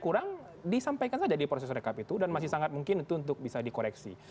kurang disampaikan saja di proses rekap itu dan masih sangat mungkin itu untuk bisa dikoreksi